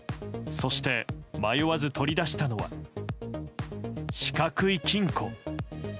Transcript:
そして迷わず取り出したのは四角い金庫。